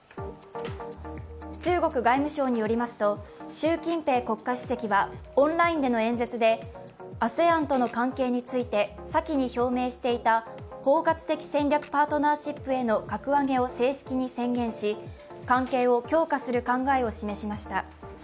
中国外務省によりますと、習近平国家主席はオンラインでの演説で、ＡＳＥＡＮとの関係についてさきに表明していた包括的戦略パートナーシップへの格上げを正式に宣言し、関係を強化する考えを示しました。